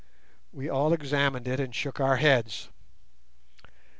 We all examined it and shook our heads.